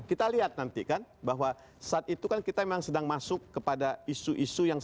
kita lihat nanti kan bahwa saat itu kan kita memang sedang masuk kepada isu isu yang